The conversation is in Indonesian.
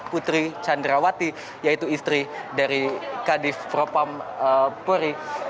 putri cendrawati yaitu istri dari kadif propampori